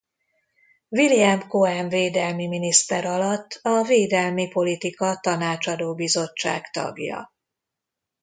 William Cohen védelmi miniszter alatt a Védelmi Politika Tanácsadó Bizottság tagja.